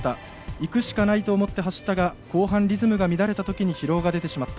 行くしかないと思って走ったが後半リズムが乱れた時に疲労が出てしまった。